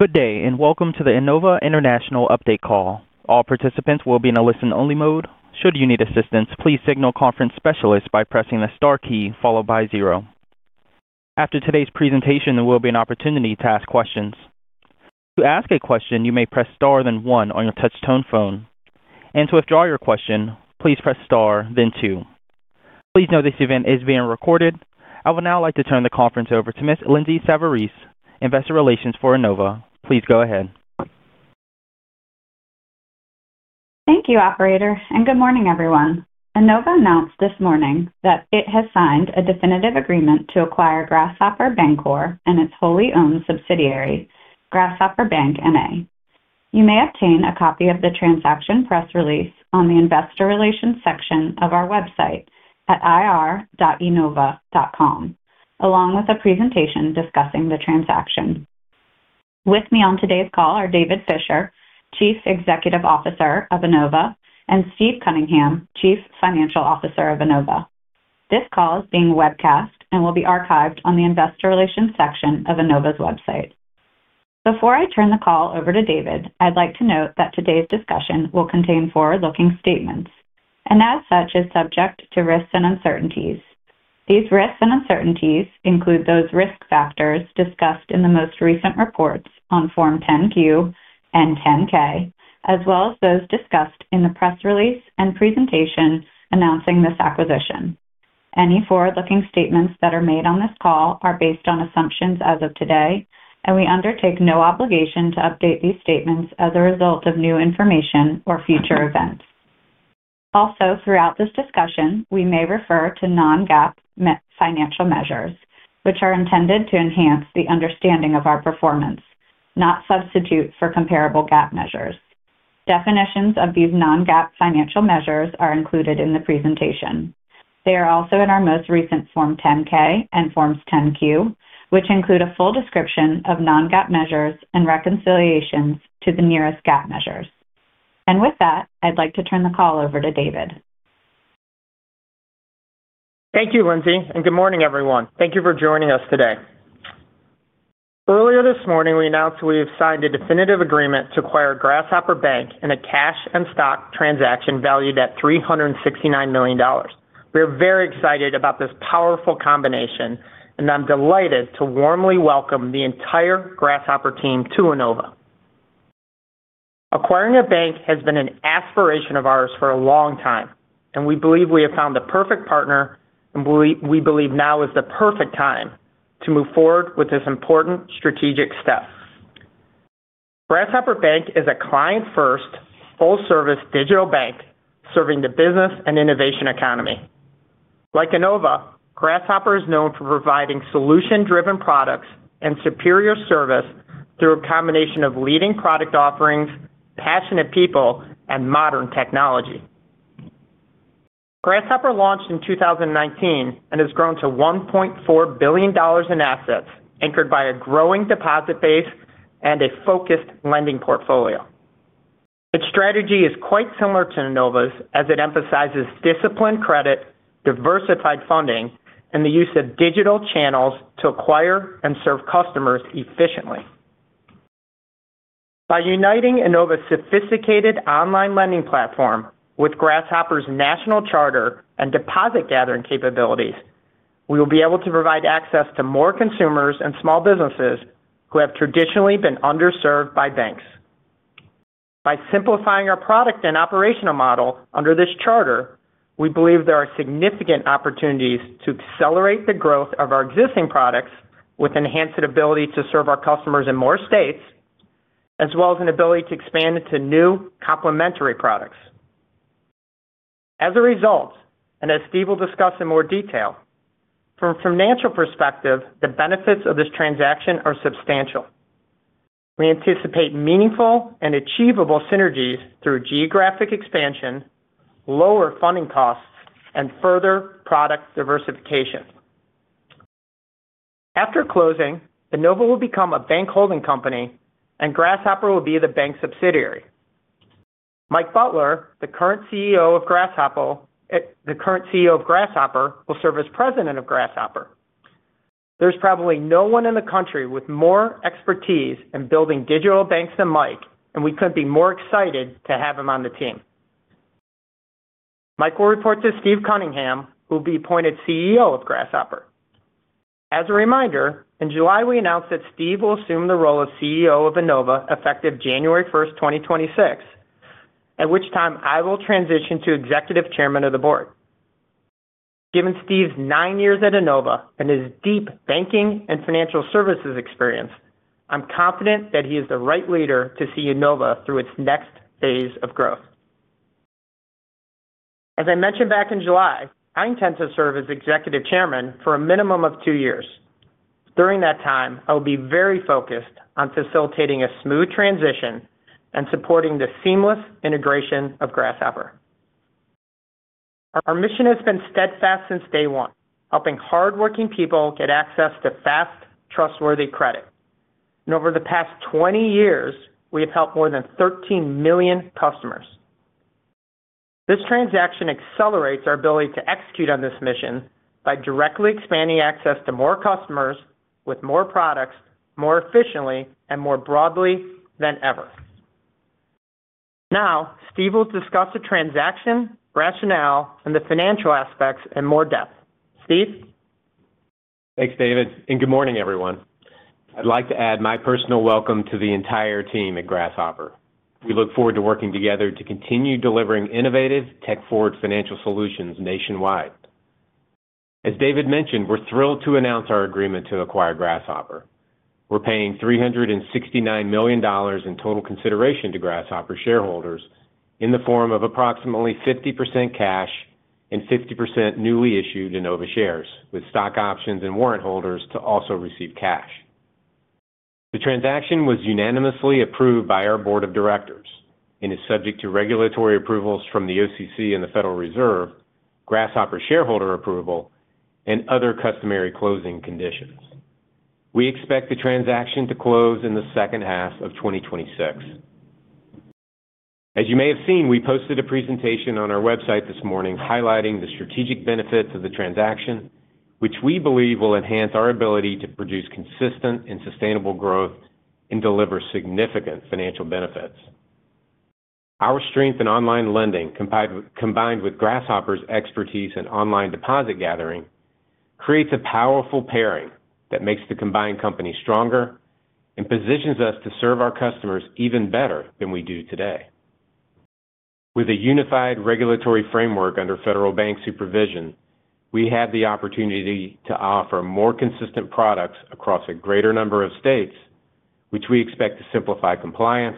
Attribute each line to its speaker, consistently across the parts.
Speaker 1: Good day, and welcome to the Enova International Update Call. All participants will be in a listen-only mode. Should you need assistance, please signal conference specialists by pressing the star key followed by zero. After today's presentation, there will be an opportunity to ask questions. To ask a question, you may press star then one on your touch-tone phone, and to withdraw your question, please press star, then two. Please note this event is being recorded. I would now like to turn the conference over to Ms. Lindsay Savarese, Investor Relations for Enova. Please go ahead.
Speaker 2: Thank you, Operator. And good morning, everyone. Enova announced this morning that it has signed a definitive agreement to acquire Grasshopper Bancorp and its wholly-owned subsidiary, Grasshopper Bank, N.A. You may obtain a copy of the transaction press release on the Investor Relations section of our website at ir.enova.com, along with a presentation discussing the transaction. With me on today's call are David Fisher, Chief Executive Officer of Enova, and Steve Cunningham, Chief Financial Officer of Enova. This call is being webcast and will be archived on the Investor Relations section of Enova's website. Before I turn the call over to David, I'd like to note that today's discussion will contain forward-looking statements and, as such, is subject to risks and uncertainties. These risks and uncertainties include those risk factors discussed in the most recent reports on Form 10-Q and 10-K, as well as those discussed in the press release and presentation announcing this acquisition. Any forward-looking statements that are made on this call are based on assumptions as of today, and we undertake no obligation to update these statements as a result of new information or future events. Also, throughout this discussion, we may refer to non-GAAP financial measures, which are intended to enhance the understanding of our performance, not substitute for comparable GAAP measures. Definitions of these non-GAAP financial measures are included in the presentation. They are also in our most recent Form 10-K and Forms 10-Q, which include a full description of non-GAAP measures and reconciliations to the nearest GAAP measures. And with that, I'd like to turn the call over to David.
Speaker 3: Thank you, Lindsay, and good morning, everyone. Thank you for joining us today. Earlier this morning, we announced we have signed a definitive agreement to acquire Grasshopper Bank in a cash and stock transaction valued at $369 million. We are very excited about this powerful combination, and I'm delighted to warmly welcome the entire Grasshopper team to Enova. Acquiring a bank has been an aspiration of ours for a long time, and we believe we have found the perfect partner, and we believe now is the perfect time to move forward with this important strategic step. Grasshopper Bank is a client-first, full-service digital bank serving the business and innovation economy. Like Enova, Grasshopper is known for providing solution-driven products and superior service through a combination of leading product offerings, passionate people, and modern technology. Grasshopper launched in 2019 and has grown to $1.4 billion in assets, anchored by a growing deposit base and a focused lending portfolio. Its strategy is quite similar to Enova's, as it emphasizes disciplined credit, diversified funding, and the use of digital channels to acquire and serve customers efficiently. By uniting Enova's sophisticated online lending platform with Grasshopper's national charter and deposit-gathering capabilities, we will be able to provide access to more consumers and small businesses who have traditionally been underserved by banks. By simplifying our product and operational model under this charter, we believe there are significant opportunities to accelerate the growth of our existing products with enhanced ability to serve our customers in more states, as well as an ability to expand into new complementary products. As a result, and as Steve will discuss in more detail, from a financial perspective, the benefits of this transaction are substantial. We anticipate meaningful and achievable synergies through geographic expansion, lower funding costs, and further product diversification. After closing, Enova will become a bank-holding company, and Grasshopper will be the bank subsidiary. Mike Butler, the current CEO of Grasshopper, will serve as president of Grasshopper. There's probably no one in the country with more expertise in building digital banks than Mike, and we couldn't be more excited to have him on the team. Mike will report to Steve Cunningham, who will be appointed CEO of Enova. As a reminder, in July, we announced that Steve will assume the role of CEO of Enova effective January 1st, 2026, at which time I will transition to Executive Chairman of the Board. Given Steve's nine years at Enova and his deep banking and financial services experience, I'm confident that he is the right leader to see Enova through its next phase of growth. As I mentioned back in July, I intend to serve as Executive Chairman for a minimum of two years. During that time, I will be very focused on facilitating a smooth transition and supporting the seamless integration of Grasshopper. Our mission has been steadfast since day one, helping hardworking people get access to fast, trustworthy credit, and over the past 20 years, we have helped more than 13 million customers. This transaction accelerates our ability to execute on this mission by directly expanding access to more customers with more products, more efficiently, and more broadly than ever. Now, Steve will discuss the transaction, rationale, and the financial aspects in more depth. Steve?
Speaker 4: Thanks, David. And good morning, everyone. I'd like to add my personal welcome to the entire team at Grasshopper. We look forward to working together to continue delivering innovative, tech-forward financial solutions nationwide. As David mentioned, we're thrilled to announce our agreement to acquire Grasshopper. We're paying $369 million in total consideration to Grasshopper shareholders in the form of approximately 50% cash and 50% newly issued Enova shares, with stock options and warrant holders to also receive cash. The transaction was unanimously approved by our Board of Directors and is subject to regulatory approvals from the OCC and the Federal Reserve, Grasshopper shareholder approval, and other customary closing conditions. We expect the transaction to close in the second half of 2026. As you may have seen, we posted a presentation on our website this morning highlighting the strategic benefits of the transaction, which we believe will enhance our ability to produce consistent and sustainable growth and deliver significant financial benefits. Our strength in online lending, combined with Grasshopper's expertise in online deposit gathering, creates a powerful pairing that makes the combined company stronger and positions us to serve our customers even better than we do today. With a unified regulatory framework under federal bank supervision, we have the opportunity to offer more consistent products across a greater number of states, which we expect to simplify compliance,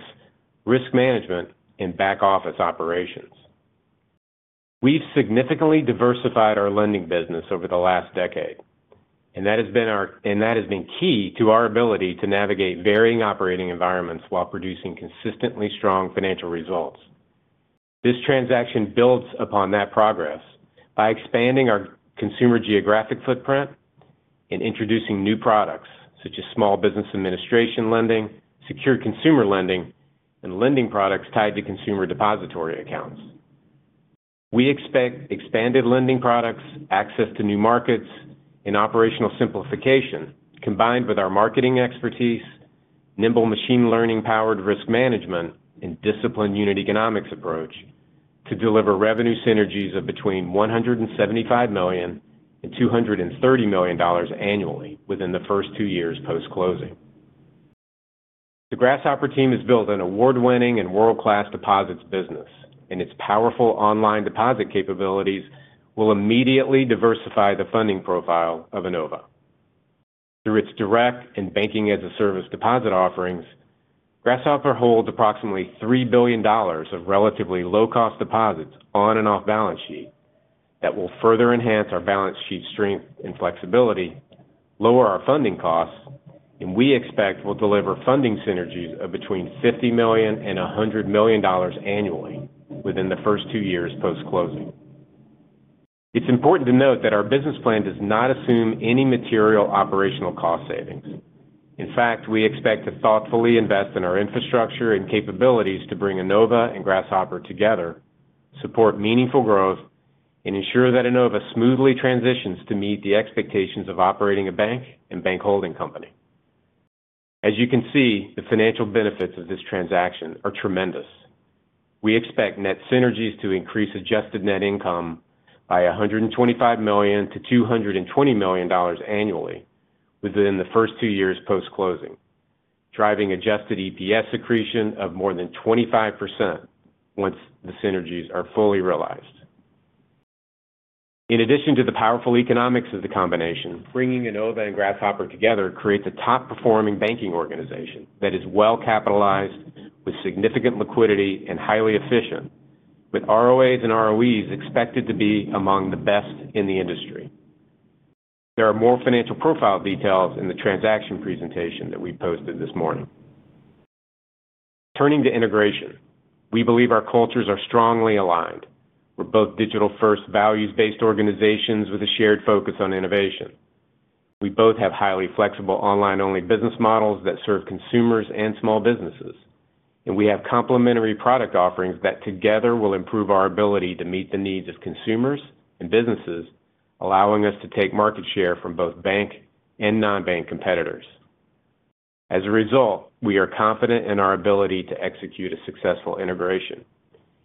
Speaker 4: risk management, and back-office operations. We've significantly diversified our lending business over the last decade, and that has been key to our ability to navigate varying operating environments while producing consistently strong financial results. This transaction builds upon that progress by expanding our consumer geographic footprint and introducing new products such as Small Business Administration lending, secured consumer lending, and lending products tied to consumer depository accounts. We expect expanded lending products, access to new markets, and operational simplification, combined with our marketing expertise, nimble machine-learning-powered risk management, and disciplined unit economics approach to deliver revenue synergies of between $175 million and $230 million annually within the first two years post-closing. The Grasshopper team has built an award-winning and world-class deposits business, and its powerful online deposit capabilities will immediately diversify the funding profile of Enova. Through its direct and banking-as-a-service deposit offerings, Grasshopper holds approximately $3 billion of relatively low-cost deposits on and off-balance sheet that will further enhance our balance sheet strength and flexibility, lower our funding costs, and we expect will deliver funding synergies of between $50 million and $100 million annually within the first two years post-closing. It's important to note that our business plan does not assume any material operational cost savings. In fact, we expect to thoughtfully invest in our infrastructure and capabilities to bring Enova and Grasshopper together, support meaningful growth, and ensure that Enova smoothly transitions to meet the expectations of operating a bank and bank-holding company. As you can see, the financial benefits of this transaction are tremendous. We expect net synergies to increase Adjusted Net Income by $125 million-$220 million annually within the first two years post-closing, driving Adjusted EPS accretion of more than 25% once the synergies are fully realized. In addition to the powerful economics of the combination, bringing Enova and Grasshopper together creates a top-performing banking organization that is well-capitalized, with significant liquidity, and highly efficient, with ROAs and ROEs expected to be among the best in the industry. There are more financial profile details in the transaction presentation that we posted this morning. Turning to integration, we believe our cultures are strongly aligned. We're both digital-first values-based organizations with a shared focus on innovation. We both have highly flexible online-only business models that serve consumers and small businesses, and we have complementary product offerings that together will improve our ability to meet the needs of consumers and businesses, allowing us to take market share from both bank and non-bank competitors. As a result, we are confident in our ability to execute a successful integration,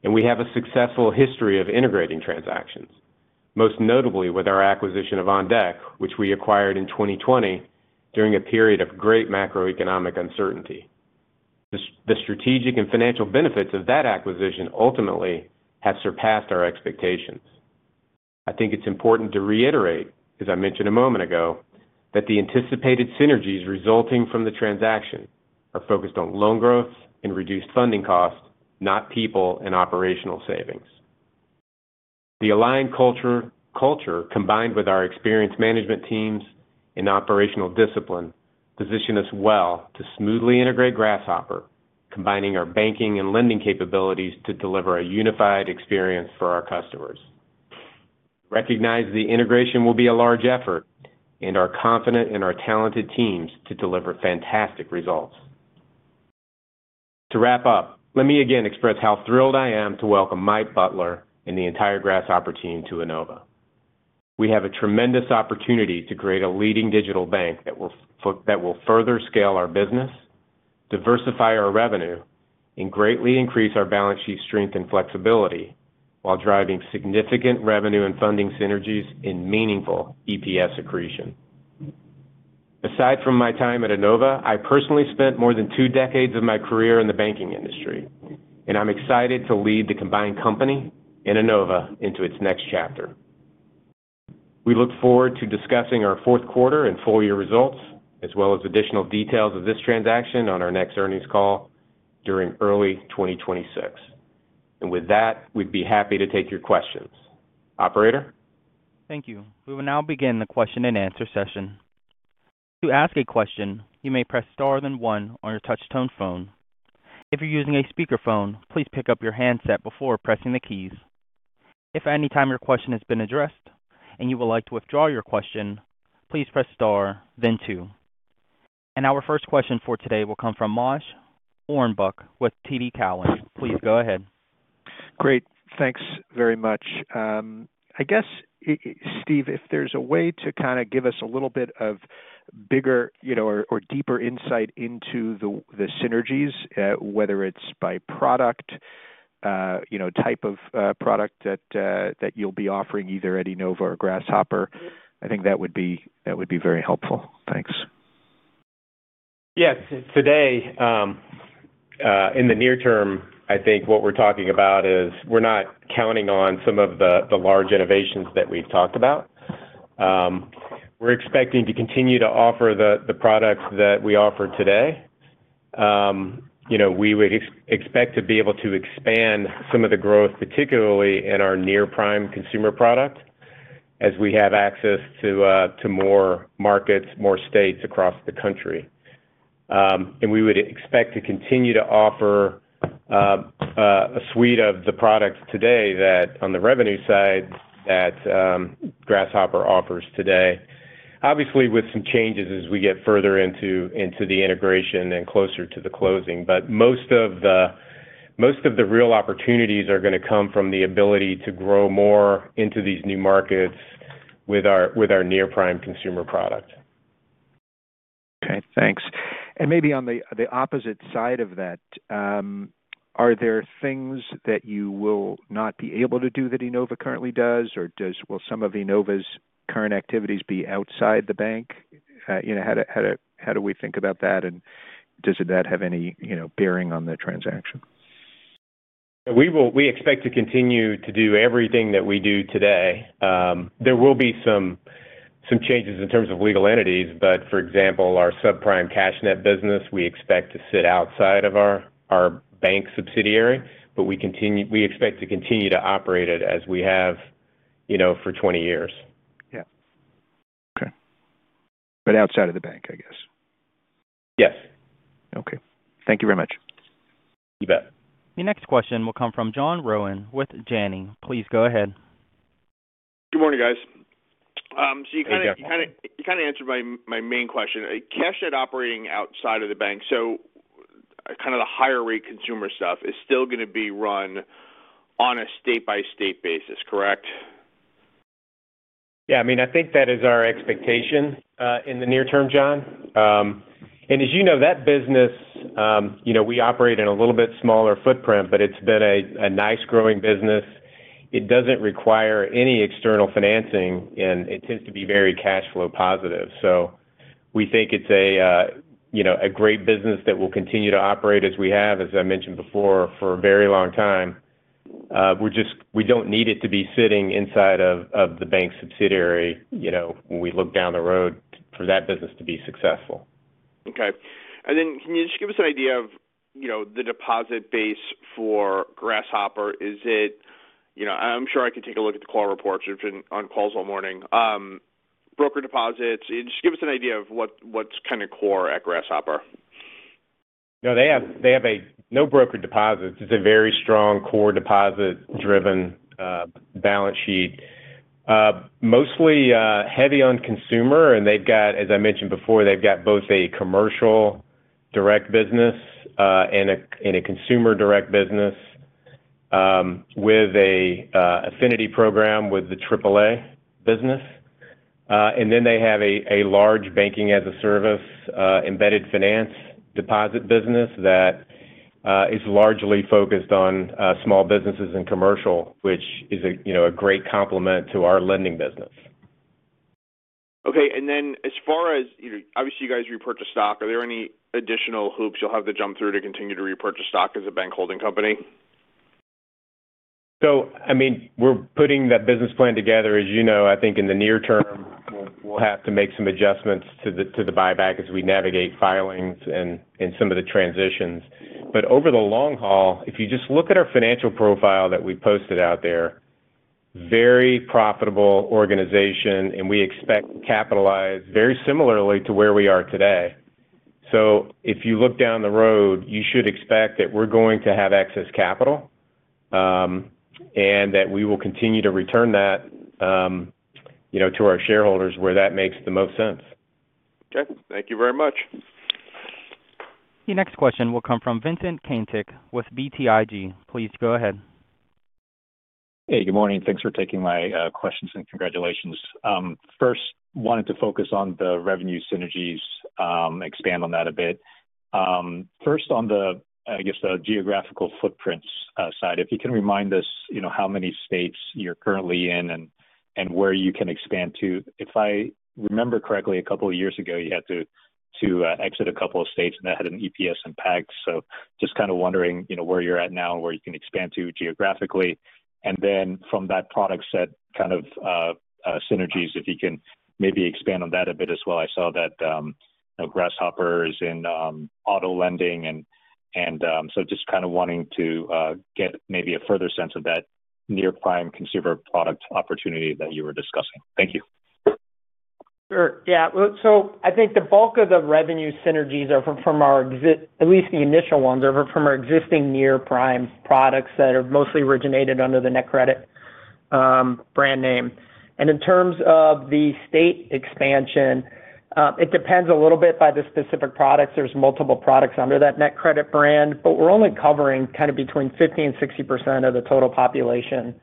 Speaker 4: and we have a successful history of integrating transactions, most notably with our acquisition of OnDeck, which we acquired in 2020 during a period of great macroeconomic uncertainty. The strategic and financial benefits of that acquisition ultimately have surpassed our expectations. I think it's important to reiterate, as I mentioned a moment ago, that the anticipated synergies resulting from the transaction are focused on loan growth and reduced funding costs, not people and operational savings. The aligned culture, combined with our experienced management teams and operational discipline, positions us well to smoothly integrate Grasshopper, combining our banking and lending capabilities to deliver a unified experience for our customers. Recognize the integration will be a large effort, and are confident in our talented teams to deliver fantastic results. To wrap up, let me again express how thrilled I am to welcome Mike Butler and the entire Grasshopper team to Enova. We have a tremendous opportunity to create a leading digital bank that will further scale our business, diversify our revenue, and greatly increase our balance sheet strength and flexibility while driving significant revenue and funding synergies and meaningful EPS accretion. Aside from my time at Enova, I personally spent more than two decades of my career in the banking industry, and I'm excited to lead the combined company and Enova into its next chapter. We look forward to discussing our fourth quarter and full-year results, as well as additional details of this transaction on our next earnings call during early 2026, and with that, we'd be happy to take your questions. Operator?
Speaker 1: Thank you. We will now begin the question-and-answer session. To ask a question, you may press star then one on your touch-tone phone. If you're using a speakerphone, please pick up your handset before pressing the keys. If at any time your question has been addressed and you would like to withdraw your question, please press star, then two. And our first question for today will come from Moshe Orenbuch with TD Cowen. Please go ahead.
Speaker 5: Great. Thanks very much. I guess, Steve, if there's a way to kind of give us a little bit of bigger or deeper insight into the synergies, whether it's by product, type of product that you'll be offering either at Enova or Grasshopper, I think that would be very helpful. Thanks.
Speaker 4: Yes. Today, in the near term, I think what we're talking about is we're not counting on some of the large innovations that we've talked about. We're expecting to continue to offer the products that we offer today. We would expect to be able to expand some of the growth, particularly in our near-prime consumer product, as we have access to more markets, more states across the country. And we would expect to continue to offer a suite of the products today that, on the revenue side, that Grasshopper offers today, obviously with some changes as we get further into the integration and closer to the closing. But most of the real opportunities are going to come from the ability to grow more into these new markets with our near-prime consumer product.
Speaker 5: Okay. Thanks. And maybe on the opposite side of that, are there things that you will not be able to do that Enova currently does, or will some of Enova's current activities be outside the bank? How do we think about that, and does that have any bearing on the transaction?
Speaker 4: We expect to continue to do everything that we do today. There will be some changes in terms of legal entities, but, for example, our subprime CashNet business, we expect to sit outside of our bank subsidiary, but we expect to continue to operate it as we have for 20 years.
Speaker 5: Yeah. Okay. But outside of the bank, I guess.
Speaker 4: Yes.
Speaker 5: Okay. Thank you very much.
Speaker 4: You bet.
Speaker 1: The next question will come from John Rowan with Janney. Please go ahead.
Speaker 6: Good morning, guys. So you kind of answered my main question. CashNet operating outside of the bank, so kind of the higher-rate consumer stuff, is still going to be run on a state-by-state basis, correct?
Speaker 4: Yeah. I mean, I think that is our expectation in the near term, John. And as you know, that business, we operate in a little bit smaller footprint, but it's been a nice-growing business. It doesn't require any external financing, and it tends to be very cash flow positive. So we think it's a great business that will continue to operate as we have, as I mentioned before, for a very long time. We don't need it to be sitting inside of the bank subsidiary when we look down the road for that business to be successful.
Speaker 6: Okay, and then can you just give us an idea of the deposit base for Grasshopper? I'm sure I could take a look at the call reports ourselves all morning. Broker deposits, just give us an idea of what's kind of core at Grasshopper.
Speaker 4: No, they have no broker deposits. It's a very strong core deposit-driven balance sheet, mostly heavy on consumer. And they've got, as I mentioned before, they've got both a commercial direct business and a consumer direct business with an affinity program with the AAA business. And then they have a large banking-as-a-service embedded finance deposit business that is largely focused on small businesses and commercial, which is a great complement to our lending business.
Speaker 6: Okay. And then, as far as, obviously, you guys repurchase stock, are there any additional hoops you'll have to jump through to continue to repurchase stock as a bank-holding company?
Speaker 4: So I mean, we're putting that business plan together. As you know, I think in the near term, we'll have to make some adjustments to the buyback as we navigate filings and some of the transitions. But over the long haul, if you just look at our financial profile that we posted out there, very profitable organization, and we expect capitalized very similarly to where we are today. So if you look down the road, you should expect that we're going to have excess capital and that we will continue to return that to our shareholders where that makes the most sense.
Speaker 6: Okay. Thank you very much.
Speaker 1: The next question will come from Vincent Caintic with BTIG. Please go ahead.
Speaker 7: Hey, good morning. Thanks for taking my questions and congratulations. First, wanted to focus on the revenue synergies, expand on that a bit. First, on the, I guess, the geographical footprints side, if you can remind us how many states you're currently in and where you can expand to. If I remember correctly, a couple of years ago, you had to exit a couple of states, and that had an EPS impact. So just kind of wondering where you're at now and where you can expand to geographically. And then from that product set, kind of synergies, if you can maybe expand on that a bit as well. I saw that Grasshopper is in auto lending. And so just kind of wanting to get maybe a further sense of that near-prime consumer product opportunity that you were discussing. Thank you.
Speaker 3: Sure. Yeah. So I think the bulk of the revenue synergies are from our, at least the initial ones, are from our existing near-prime products that have mostly originated under the NetCredit brand name. And in terms of the state expansion, it depends a little bit by the specific products. There's multiple products under that NetCredit brand, but we're only covering kind of between 50% and 60% of the total population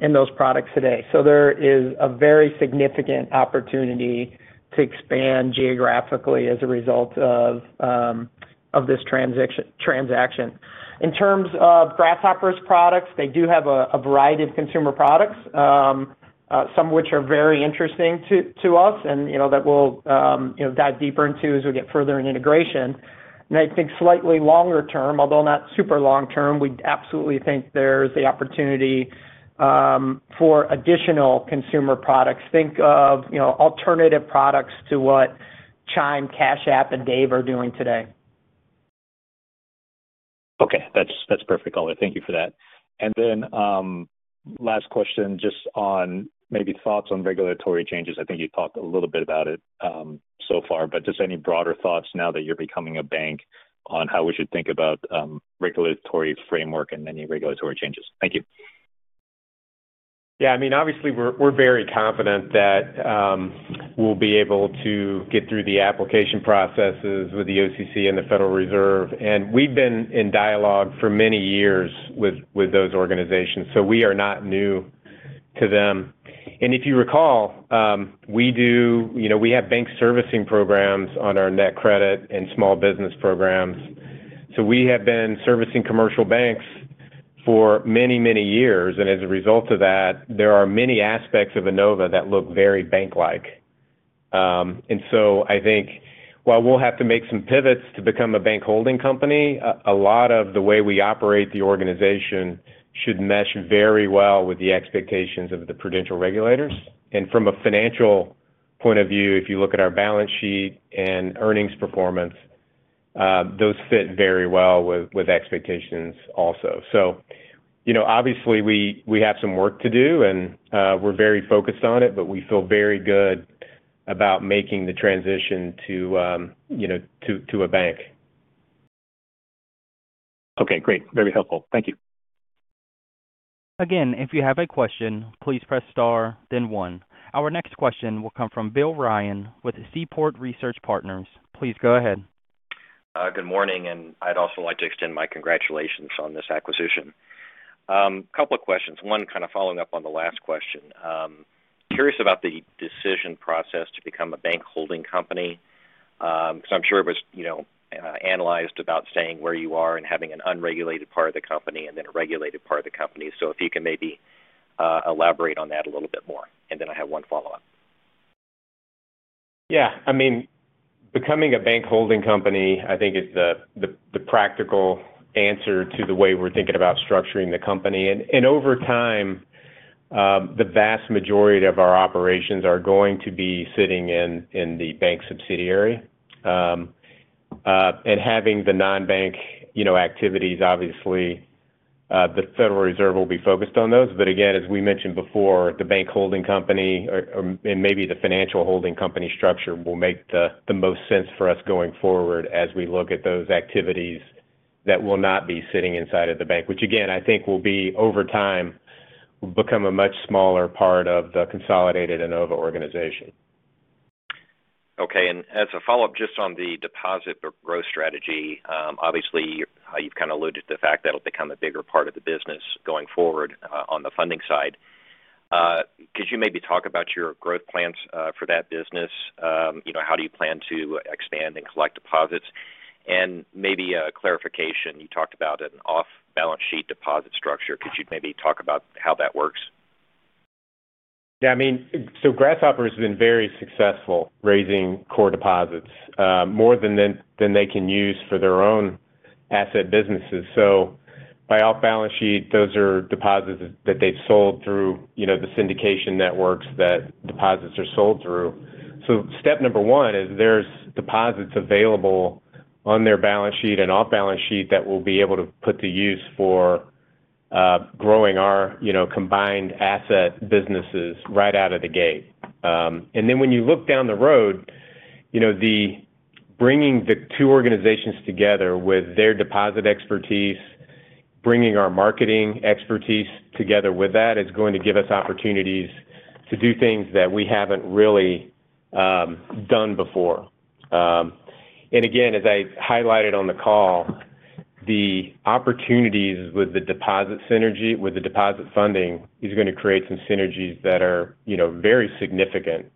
Speaker 3: in those products today. So there is a very significant opportunity to expand geographically as a result of this transaction. In terms of Grasshopper's products, they do have a variety of consumer products, some of which are very interesting to us and that we'll dive deeper into as we get further in integration. And I think slightly longer term, although not super long term, we absolutely think there's the opportunity for additional consumer products. Think of alternative products to what Chime, Cash App, and Dave are doing today.
Speaker 6: Okay. That's perfect, Olivier. Thank you for that. And then last question, just on maybe thoughts on regulatory changes. I think you talked a little bit about it so far, but just any broader thoughts now that you're becoming a bank on how we should think about regulatory framework and any regulatory changes. Thank you.
Speaker 4: Yeah. I mean, obviously, we're very confident that we'll be able to get through the application processes with the OCC and the Federal Reserve, and we've been in dialogue for many years with those organizations, so we are not new to them, and if you recall, we have bank servicing programs on our NetCredit and small business programs, so we have been servicing commercial banks for many, many years, and as a result of that, there are many aspects of Enova that look very bank-like, and so I think while we'll have to make some pivots to become a bank-holding company, a lot of the way we operate the organization should mesh very well with the expectations of the prudential regulators, and from a financial point of view, if you look at our balance sheet and earnings performance, those fit very well with expectations also. So obviously, we have some work to do, and we're very focused on it, but we feel very good about making the transition to a bank.
Speaker 6: Okay. Great. Very helpful. Thank you.
Speaker 1: Again, if you have a question, please press star, then one. Our next question will come from Bill Ryan with Seaport Research Partners. Please go ahead.
Speaker 8: Good morning, and I'd also like to extend my congratulations on this acquisition. A couple of questions. One kind of following up on the last question. Curious about the decision process to become a bank-holding company because I'm sure it was analyzed about staying where you are and having an unregulated part of the company and then a regulated part of the company. So if you can maybe elaborate on that a little bit more. And then I have one follow-up.
Speaker 4: Yeah. I mean, becoming a bank-holding company, I think, is the practical answer to the way we're thinking about structuring the company. And over time, the vast majority of our operations are going to be sitting in the bank subsidiary. And having the non-bank activities, obviously, the Federal Reserve will be focused on those. But again, as we mentioned before, the bank-holding company and maybe the financial holding company structure will make the most sense for us going forward as we look at those activities that will not be sitting inside of the bank, which, again, I think will be, over time, become a much smaller part of the consolidated Enova organization.
Speaker 7: Okay. And as a follow-up, just on the deposit growth strategy, obviously, how you've kind of alluded to the fact that it'll become a bigger part of the business going forward on the funding side. Could you maybe talk about your growth plans for that business? How do you plan to expand and collect deposits? And maybe a clarification. You talked about an off-balance sheet deposit structure. Could you maybe talk about how that works?
Speaker 4: Yeah. I mean, so Grasshopper has been very successful raising core deposits more than they can use for their own asset businesses. So by off-balance sheet, those are deposits that they've sold through the syndication networks that deposits are sold through. So step number one is there's deposits available on their balance sheet and off-balance sheet that we'll be able to put to use for growing our combined asset businesses right out of the gate. And then when you look down the road, bringing the two organizations together with their deposit expertise, bringing our marketing expertise together with that is going to give us opportunities to do things that we haven't really done before. And again, as I highlighted on the call, the opportunities with the deposit synergy, with the deposit funding, is going to create some synergies that are very significant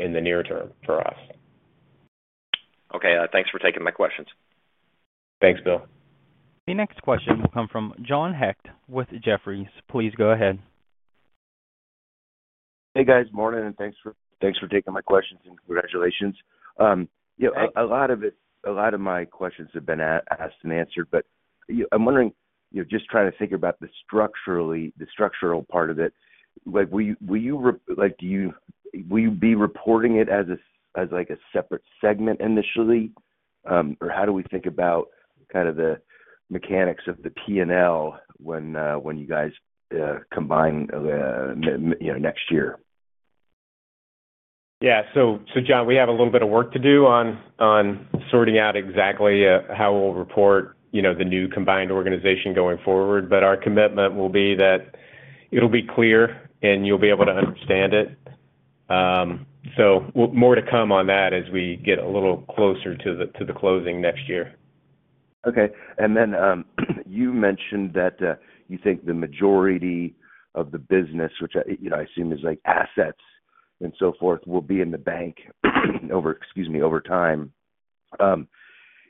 Speaker 4: in the near term for us.
Speaker 9: Okay. Thanks for taking my questions.
Speaker 4: Thanks, Bill.
Speaker 1: The next question will come from John Hecht with Jefferies. Please go ahead.
Speaker 10: Hey, guys. Morning, and thanks for taking my questions and congratulations. A lot of my questions have been asked and answered, but I'm wondering, just trying to think about the structural part of it. Will you be reporting it as a separate segment initially, or how do we think about kind of the mechanics of the P&L when you guys combine next year?
Speaker 4: Yeah. So John, we have a little bit of work to do on sorting out exactly how we'll report the new combined organization going forward, but our commitment will be that it'll be clear and you'll be able to understand it. So more to come on that as we get a little closer to the closing next year.
Speaker 10: Okay. And then you mentioned that you think the majority of the business, which I assume is assets and so forth, will be in the bank, excuse me, over time. Do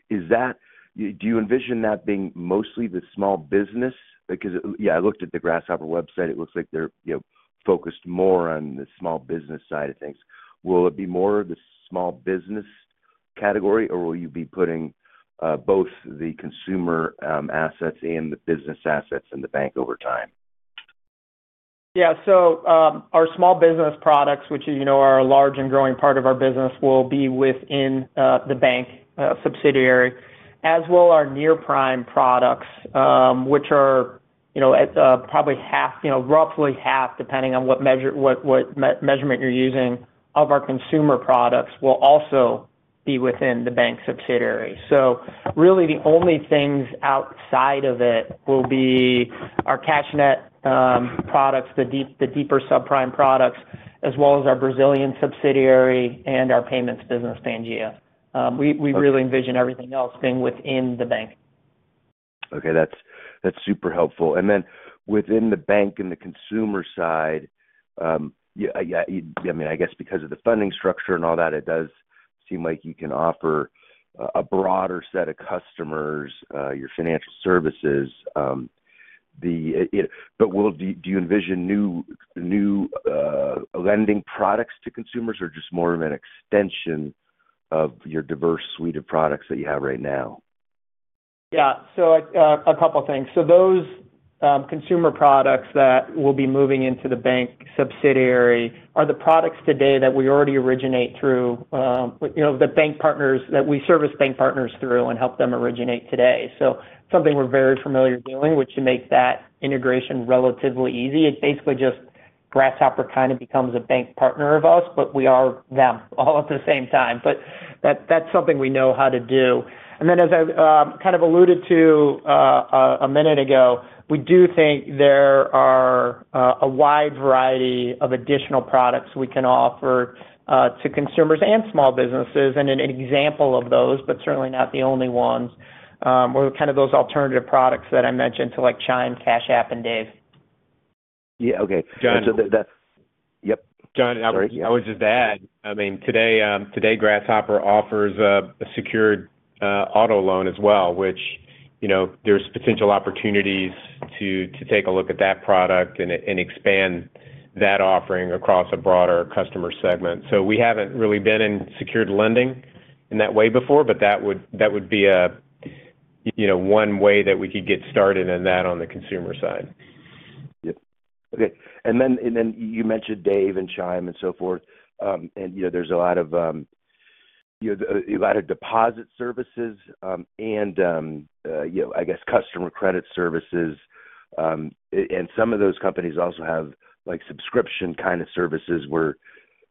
Speaker 10: you envision that being mostly the small business? Because, yeah, I looked at the Grasshopper website. It looks like they're focused more on the small business side of things. Will it be more of the small business category, or will you be putting both the consumer assets and the business assets in the bank over time?
Speaker 3: Yeah. So our small business products, which are a large and growing part of our business, will be within the bank subsidiary, as will our near-prime products, which are probably half, roughly half, depending on what measurement you're using of our consumer products, will also be within the bank subsidiary. So really, the only things outside of it will be our CashNet products, the deeper subprime products, as well as our Brazilian subsidiary and our payments business, Pangea. We really envision everything else being within the bank.
Speaker 10: Okay. That's super helpful. And then within the bank and the consumer side, I mean, I guess because of the funding structure and all that, it does seem like you can offer a broader set of customers your financial services. But do you envision new lending products to consumers or just more of an extension of your diverse suite of products that you have right now?
Speaker 3: Yeah. So a couple of things. So those consumer products that will be moving into the bank subsidiary are the products today that we already originate through the bank partners that we service bank partners through and help them originate today. So something we're very familiar doing, which makes that integration relatively easy. It's basically just Grasshopper kind of becomes a bank partner of us, but we are them all at the same time. But that's something we know how to do. And then, as I kind of alluded to a minute ago, we do think there are a wide variety of additional products we can offer to consumers and small businesses. And an example of those, but certainly not the only ones, were kind of those alternative products that I mentioned to Chime, Cash App, and Dave.
Speaker 4: John, I was just going to add. I mean, today, Grasshopper offers a secured auto loan as well, which there's potential opportunities to take a look at that product and expand that offering across a broader customer segment. So we haven't really been in secured lending in that way before, but that would be one way that we could get started in that on the consumer side.
Speaker 10: Yep. Okay. And then you mentioned Dave and Chime and so forth. And there's a lot of deposit services and, I guess, customer credit services. And some of those companies also have subscription kind of services where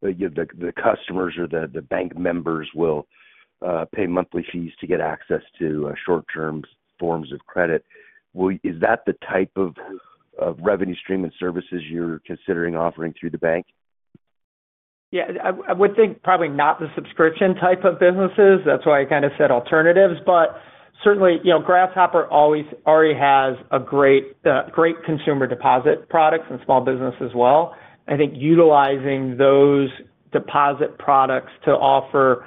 Speaker 10: the customers or the bank members will pay monthly fees to get access to short-term forms of credit. Is that the type of revenue stream and services you're considering offering through the bank?
Speaker 3: Yeah. I would think probably not the subscription type of businesses. That's why I kind of said alternatives, but certainly, Grasshopper already has great consumer deposit products and small business as well. I think utilizing those deposit products to offer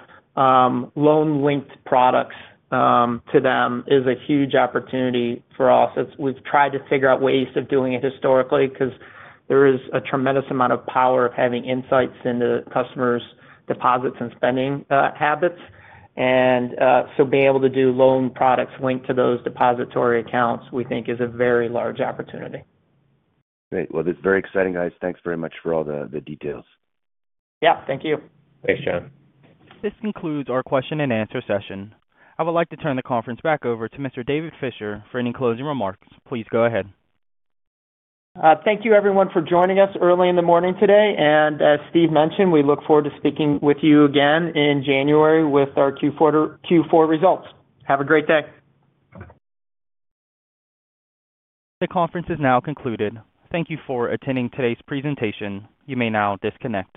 Speaker 3: loan-linked products to them is a huge opportunity for us. We've tried to figure out ways of doing it historically because there is a tremendous amount of power of having insights into customers' deposits and spending habits, and so being able to do loan products linked to those depository accounts, we think, is a very large opportunity.
Speaker 10: Great. Well, this is very exciting, guys. Thanks very much for all the details.
Speaker 3: Yeah. Thank you. Thanks, John.
Speaker 1: This concludes our question and answer session. I would like to turn the conference back over to Mr. David Fisher for any closing remarks. Please go ahead.
Speaker 3: Thank you, everyone, for joining us early in the morning today. And as Steve mentioned, we look forward to speaking with you again in January with our Q4 results. Have a great day.
Speaker 1: The conference is now concluded. Thank you for attending today's presentation. You may now disconnect.